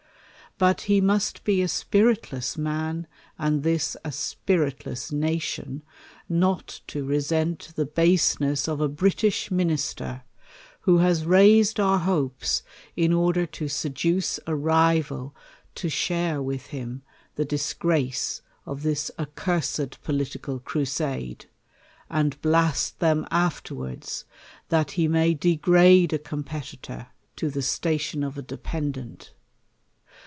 But he must be a spiritless man, and this a spiritless nation, not to resent the baseness ofaBritish Minister, who has raised our hopes in order to seduce a rival to share with him the disgrace of this accursed political crusade, a,nd ^'' ist them afterwards, that he may degrade a competitor t^ 244 THE COLUMBIAN ORATOR. to the station of a dependent.